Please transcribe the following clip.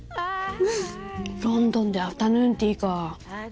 ロンドンでアフタヌーンティーか。